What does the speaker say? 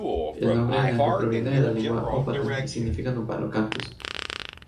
El nombre de Naco proviene de la lengua ópata y significa nopal o cactus.